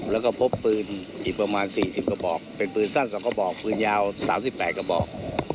แล้วก็พบปืนอีกประมาณ๔๐กระบอกเป็นปืนสั้น๒กระบอกปืนยาว๓๘กระบอก